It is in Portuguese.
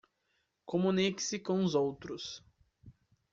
Comunique-se com os outros